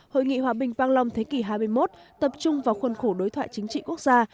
hội nghị hòa bình vang long thế kỷ hai mươi một tập trung vào khuôn khổ đối thoại chính trị quốc gia